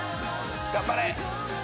・頑張れ。